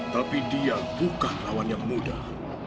tapi dia bukan lawan yang mudah